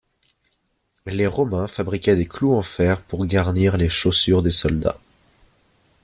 Les Romains fabriquaient des clous en fer pour garnir les chaussures des soldats.